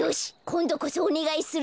こんどこそおねがいするぞ。